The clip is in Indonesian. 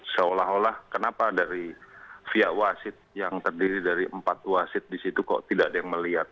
seolah olah kenapa dari via wasit yang terdiri dari empat wasit di situ kok tidak ada yang melihat